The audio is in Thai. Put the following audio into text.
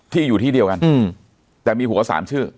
อยู่ที่เดียวกันแต่มีหัว๓ชื่อ